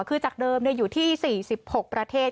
คือจากเดิมอยู่ที่๔๖ประเทศ